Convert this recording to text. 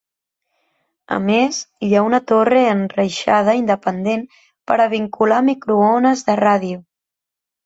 A més, hi ha una torre enreixada independent per a vincular microones de ràdio.